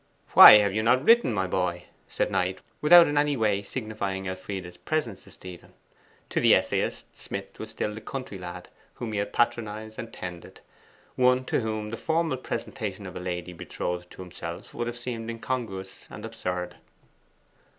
'Why have you not written, my boy?' said Knight, without in any way signifying Elfride's presence to Stephen. To the essayist, Smith was still the country lad whom he had patronized and tended; one to whom the formal presentation of a lady betrothed to himself would have seemed incongruous and absurd.